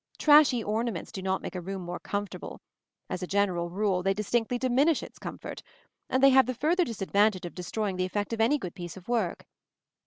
Trashy "ornaments" do not make a room more comfortable; as a general rule, they distinctly diminish its comfort; and they have the further disadvantage of destroying the effect of any good piece of work.